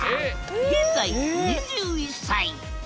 現在２１歳。